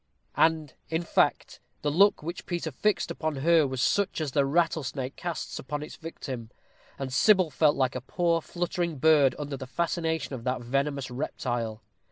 And, in fact, the look which Peter fixed upon her was such as the rattlesnake casts upon its victim, and Sybil felt like a poor fluttering bird under the fascination of that venomous reptile.